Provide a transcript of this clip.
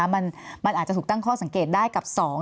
มันอาจจะถูกตั้งข้อสังเกตได้กับ๒